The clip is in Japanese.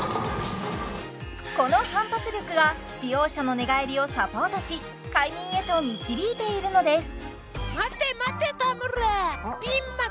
この反発力が使用者の寝返りをサポートし快眠へと導いているのです